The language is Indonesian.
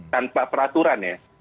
tanpa peraturan ya